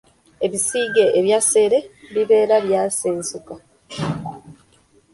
Ebisige ebya ssere bibeera byasensuka.